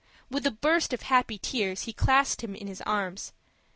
With a burst of happy tears he clasped him to his arms.